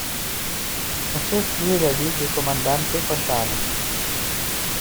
Son chef-lieu est la ville de Comandante Fontana.